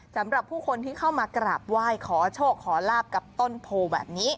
สำหรับผู้คนที่เข้ามากราบไหว้ขอโชคขอลาบกับต้นโพแบบนี้